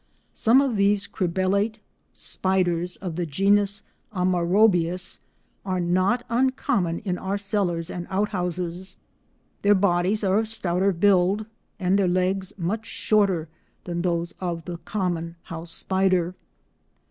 Some of these cribellate spiders, of the genus Amaurobius, are not uncommon in our cellars and out houses; their bodies are of stouter build and their legs much shorter than those of the common house spider.